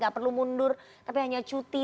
gak perlu mundur tapi hanya cuti